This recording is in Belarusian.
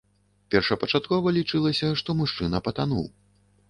Першапачаткова лічылася, што мужчына патануў.